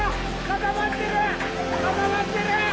固まってる。